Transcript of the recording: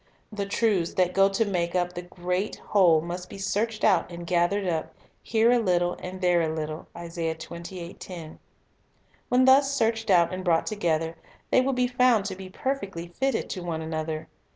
The truths that go to make up the great whole must be searched out and gathered up, "here a little, and there a little." 1 When thus searched out and brought together, they will be found to be perfectly fitted to one another.